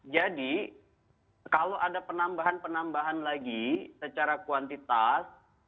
jadi kalau ada penambahan penambahan lagi secara kuantitas